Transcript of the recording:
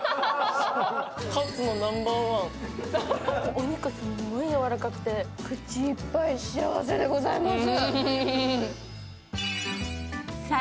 お肉すごいやわらかくて口いっぱい幸せでございます。